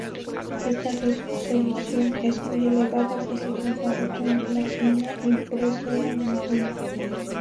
Esta resolución es muy elevada si se compara con la una impresora normal.